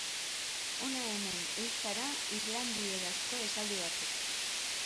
Hona hemen euskara-islandierazko esaldi batzuk.